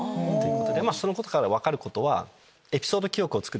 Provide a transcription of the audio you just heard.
そのことから分かることは。